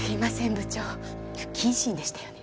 部長不謹慎でしたよね